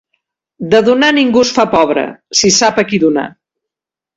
De donar ningú es fa pobre, si sap a qui donar.